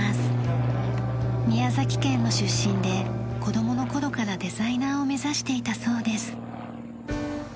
宮崎県の出身で子どもの頃からデザイナーを目指していたそうです。